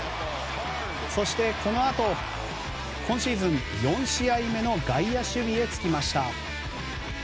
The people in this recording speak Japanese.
そして、このあと今シーズン４試合目の外野守備へ就きました。